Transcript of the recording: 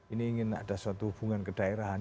ini ingin ada suatu hubungan ke daerah